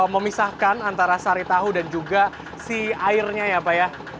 memisahkan antara sari tahu dan juga si airnya ya pak ya